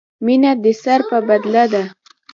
مینه دې سر په بدله ده.